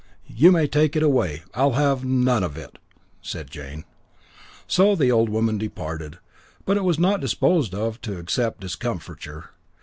"You may take it away; I'll have none of it," said Jane. So the old woman departed, but was not disposed to accept discomfiture.